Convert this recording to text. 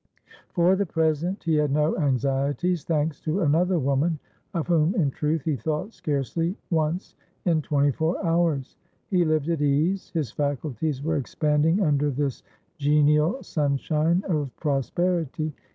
For the present he had no anxietiesthanks to another woman, of whom, in truth, he thought scarcely once in twenty four hours. He lived at ease; his faculties were expanding under this genial sunshine of prosperity.